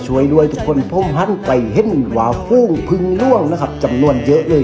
ช่วยรวยทุกคนผมล่ะฟุ้งพึงล่วงนะครับจำนวนเยอะเลย